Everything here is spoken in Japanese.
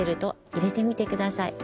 いれてみてください。